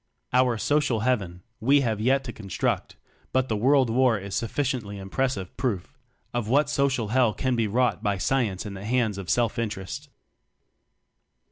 Our social Heaven we have yet to construct, but the World War is suf ficiently impressive proof of what social Hell can be wrought by Science in the hands of self interest.